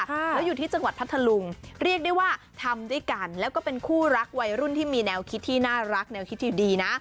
แล้วอยู่ที่จังหวัดพัทธลุงเรียกได้ว่าทำด้วยกันแล้วก็เป็นคู่รักวัยรุ่นที่มีแนวคิดที่น่ารักแนวคิดที่ดีนะ